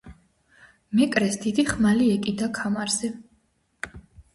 მეკრეს დიდი ხმალი ეკიდა ქამარზე.